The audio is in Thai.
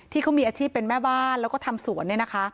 ที่เขามีอาชีพเป็นแม่บ้านแล้วก็ทำสวนเนี่ยนะคะ